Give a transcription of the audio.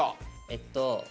えっと